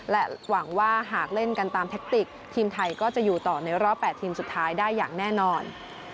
และหวังว่าหากเล่นกันตามแทคติกทีมไทยก็จะอยู่ต่อในรอบ๘ทีมสุดท้ายได้อย่างแน่นอน